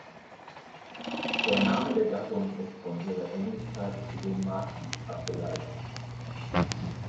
Der Name der Gattung ist von ihrer Ähnlichkeit zu den Makis abgeleitet.